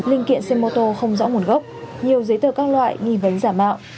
linh kiện xe mô tô không rõ nguồn gốc nhiều giấy tờ các loại nghi vấn giả mạo